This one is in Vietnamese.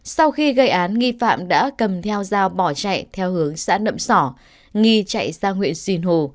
sau khi gây án nghị phạm đã cầm theo dao bỏ chạy theo hướng xã nậm xỏ nghị chạy sang huyện sinh hồ